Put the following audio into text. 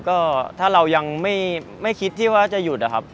ก็ถ้าเรายังไม่คิดที่ว่าจะหยุดนะครับ